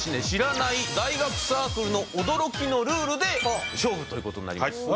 知らない大学サークルの驚きのルールで勝負という事になります。